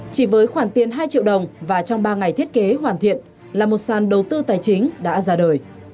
chỉ với khoản tiền hai triệu đồng và trong ba ngày thiết kế hoàn thiện là một sàn đầu tư tài chính đã ra đời